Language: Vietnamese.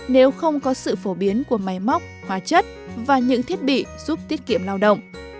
nếu không có sự phổ biến của máy móc hóa chất và những thiết bị giúp tiết kiệm lao động